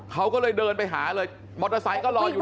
เขาก็เลยเดินไปหาเลยมอเตอร์ไซค์ก็รออยู่